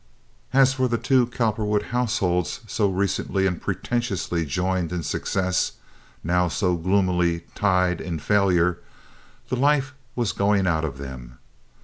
As for the two Cowperwood households, so recently and pretentiously joined in success, now so gloomily tied in failure, the life was going out of them.